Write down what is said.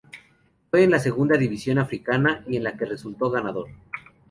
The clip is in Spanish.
Fue en la segunda división africana y en la que resultó ganador.